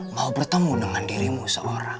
mau bertemu dengan dirimu seorang